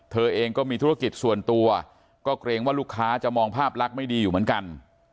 เธอเองก็มีธุรกิจส่วนตัวก็เกรงว่าลูกค้าจะมองภาพลักษณ์ไม่ดีอยู่เหมือนกัน